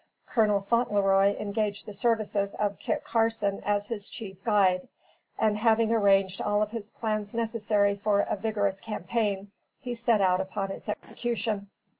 Col. Fauntleroy engaged the services of Kit Carson as his chief guide, and, having arranged all of his plans necessary for a vigorous campaign, he set out upon its execution.